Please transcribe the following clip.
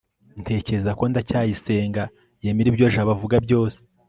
ntekereza ko ndacyayisenga yemera ibyo jabo avuga byose